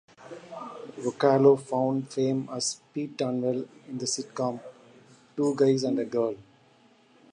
Ruccolo found fame as Pete Dunville in the sitcom "Two Guys and a Girl".